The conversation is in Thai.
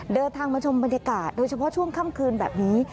เดินทางมาชมบรรยากาศโดยเฉพาะช่วงค่ำคืนแบบนี้